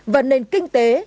và nền kinh tế